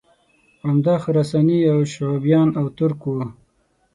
عمده خراساني شعوبیان او ترک وو